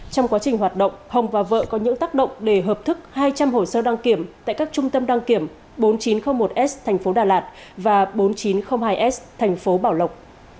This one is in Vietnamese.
trong quá trình hoạt động hồng và vợ có những tác động để hợp thức hai trăm linh hồ sơ đăng kiểm tại các trung tâm đăng kiểm bốn nghìn chín trăm linh một s thành phố đà lạt và bốn nghìn chín trăm linh hai s thành phố bảo lộc